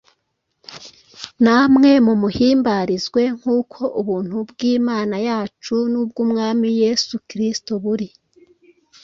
namwe mumuhimbarizwe, nk’uko ubuntu bw’Imana yacu n’ubw’Umwami Yesu Kristo buri.”